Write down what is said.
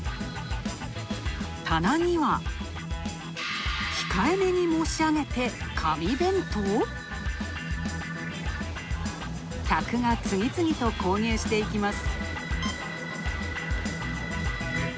棚には、控えめに申し上げて神弁当？客が次々と購入していきます。